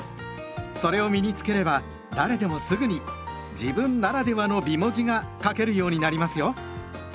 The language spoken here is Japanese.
それを身に付ければ誰でもすぐに「自分ならではの美文字」が書けるようになりますよ。